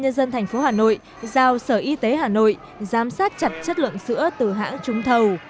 nhân dân thành phố hà nội giao sở y tế hà nội giám sát chặt chất lượng sữa từ hãng trúng thầu